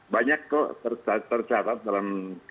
banyak kok tercatat dalam